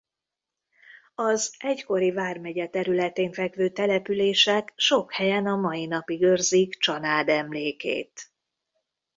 Az egykori vármegye területén fekvő települések sok helyen a mai napig őrzik Csanád emlékét.